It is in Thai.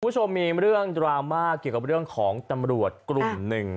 คุณผู้ชมมีเรื่องดราม่าเกี่ยวกับเรื่องของตำรวจกลุ่มหนึ่ง